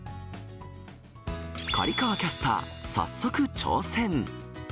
刈川キャスター、早速挑戦。